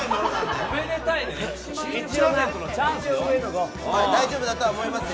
おめでたいのよ